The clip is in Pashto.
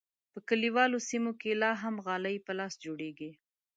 په کلیوالو سیمو کې لا هم غالۍ په لاس جوړیږي.